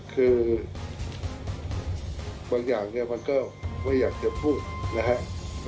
คือบางอย่างเนี่ยมันก็ไม่อยากจะพูดนะครับ